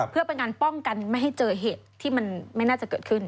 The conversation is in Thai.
เพื่อเป็นการป้องกันไม่ให้เจอเหตุที่มันไม่น่าจะเกิดขึ้น